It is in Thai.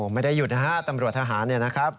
ไม่ได้หยุดนะฮะตำรวจทหารเนี่ยนะครับ